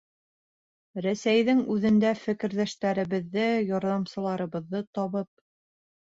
Рәсәйҙең үҙендә фекерҙәштәребеҙҙе, ярҙамсыларыбыҙҙы табып.